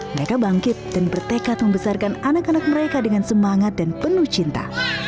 mereka bangkit dan bertekad membesarkan anak anak mereka dengan semangat dan penuh cinta